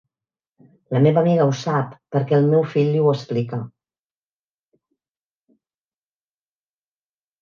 La meva amiga ho sap perquè el meu fill li ho explica.